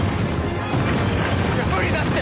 いや無理だって！